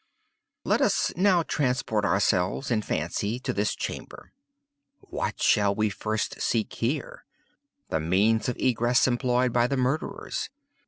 "Let us now transport ourselves, in fancy, to this chamber. What shall we first seek here? The means of egress employed by the murderers.